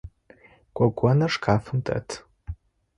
Гогоныр шкафым дэт.